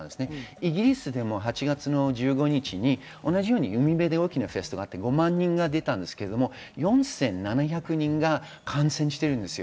イギリスでも８月１５日に海辺で大きなフェスがあって５万人、入れたんですが４７００人が感染してるんです。